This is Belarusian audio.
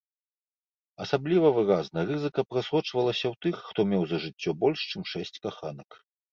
Асабліва выразна рызыка прасочвалася ў тых, хто меў за жыццё больш чым шэсць каханак.